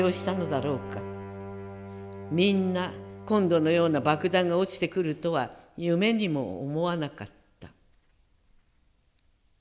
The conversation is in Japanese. みんな今度のような爆弾が落ちてくるとは夢にも思わなかった」。